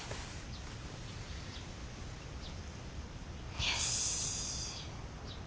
よし。